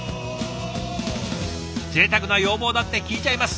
ぜいたくな要望だって聞いちゃいます。